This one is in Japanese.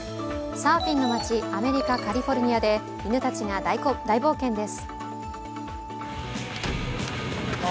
サーフィンの町アメリカ・カリフォルニアで犬たちが大冒険です。